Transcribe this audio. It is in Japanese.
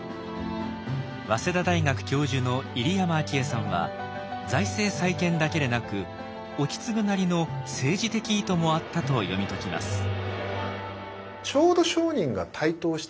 早稲田大学教授の入山章栄さんは財政再建だけでなく意次なりの政治的意図もあったと読み解きます。